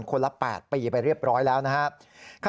คนละ๘ปีไปเรียบร้อยแล้วนะครับ